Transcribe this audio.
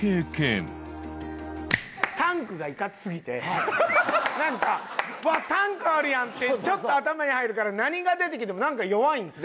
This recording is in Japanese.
タンクがいかつすぎてなんか「うわっタンクあるやん」ってちょっと頭に入るから何が出てきてもなんか弱いんですよ。